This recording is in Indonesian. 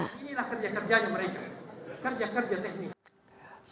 inilah kerja kerjanya mereka kerja kerja teknis